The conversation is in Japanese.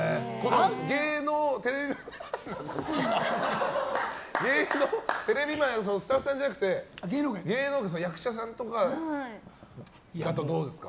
芸能、テレビマンさんスタッフさんじゃなくて芸能界、役者さんとかだとどうですか？